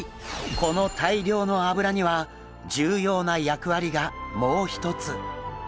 この大量の脂には重要な役割がもう一つ。